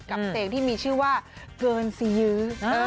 กับเพลงที่มีชื่อว่าเกินสียื้อ